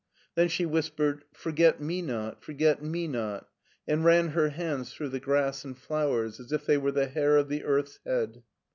'* Then she whispered, " Forget we not, forget we not!*' and ran her hands through the grass and flowers as if they were the hair of the earth's head.